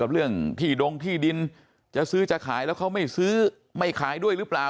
เรื่องที่ดงที่ดินจะซื้อจะขายแล้วเขาไม่ซื้อไม่ขายด้วยหรือเปล่า